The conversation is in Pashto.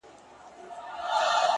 ستا د ږغ څــپــه ، څـپه ،څپــه نـه ده،